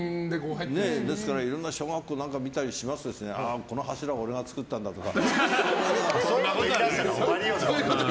ですからいろいろな小学校を見たりするとこの柱は俺が作ったんだとか。